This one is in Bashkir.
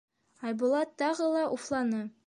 Айбулат тағы ла уфланы.